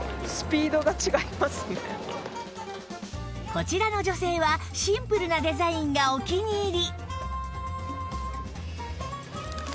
こちらの女性はシンプルなデザインがお気に入り